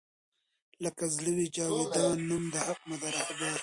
لــــــــــکه زړه وي جـــاویــــدان نــــوم د حــــق مو دی رهـــــــــبر